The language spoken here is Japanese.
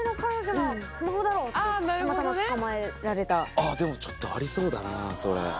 ああでもちょっとありそうだなそれ。